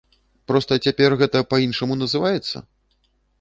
Проста цяпер гэта па-іншаму называецца?